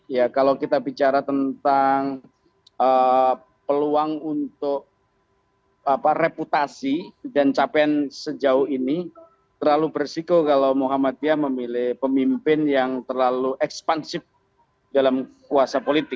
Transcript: ya kalau kita bicara tentang peluang untuk reputasi dan capaian sejauh ini terlalu berisiko kalau muhammadiyah memilih pemimpin yang terlalu ekspansif dalam kuasa politik